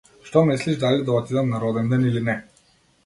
Што мислиш дали да отидам на роденден или не?